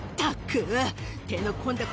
ったく！